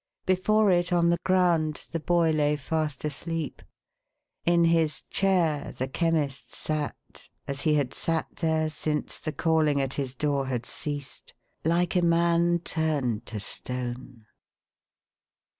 Before it on the ground the boy lay fast asleep. In his chair, the Chemist sat, as he had sat there since the calling at his door had ceased — like a man turned to stone.